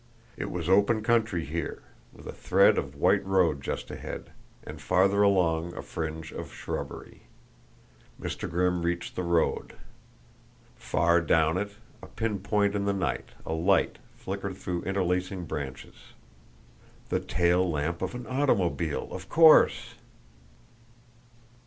It was open country here, with a thread of white road just ahead, and farther along a fringe of shrubbery. Mr. Grimm reached the road. Far down it, a pin point in the night, a light flickered through interlacing branches. The tail lamp of an automobile, of course!